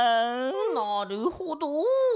なるほど。